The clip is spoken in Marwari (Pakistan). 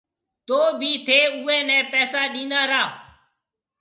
تو بي ٿَي اوَي نَي پيسآ ڏِنا را؟